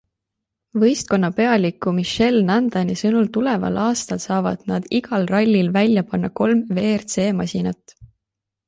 Võistkonna pealiku Michel Nandani sõnul tuleval aastal saavad nad igal rallil välja panna kolm WRC-masinat.